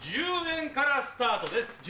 １０円からスタートです。